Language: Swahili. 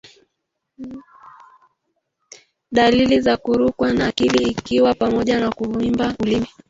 Dalili za kurukwa na akili ikiwa pamoja na kuvimba ulimi